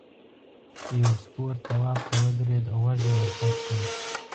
یو سپور تواب ته ودرېد غوږ یې ورکش کړ.